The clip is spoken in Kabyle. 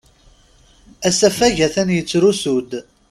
Asafag atan yettrusu-d.